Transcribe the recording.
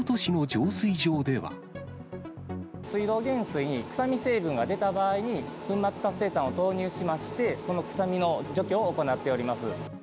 水道原水に臭み成分が出た場合に、粉末活性炭を投入しまして、その臭みの除去を行っております。